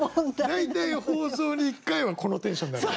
大体放送に１回はこのテンションになる。